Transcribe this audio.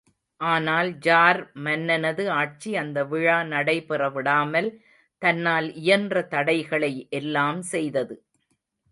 ஆனால் ஜார் மன்னனது ஆட்சி அந்த விழா நடைபெற விடாமல் தன்னால் இயன்ற தடைகளை எல்லாம் செய்தது.